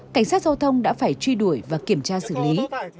cảnh sát giao thông đã phải truy đuổi và kiểm tra xử lý